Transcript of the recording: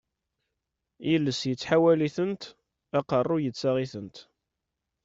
Iles yettḥawal-itent, aqerruy yettaɣ-itent.